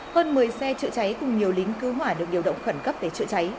hơn một mươi xe trự cháy cùng nhiều lính cứu hỏa được điều động khẩn cấp để trự cháy